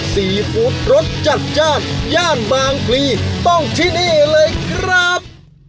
ซีฟู้ดรสจัดจ้านย่านบางพลีต้องที่นี่เลยครับ